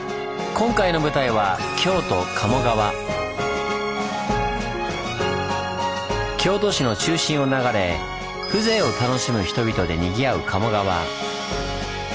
今回の舞台は京都市の中心を流れ風情を楽しむ人々でにぎわう鴨川。